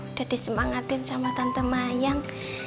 udah disemangatin sama tante mayang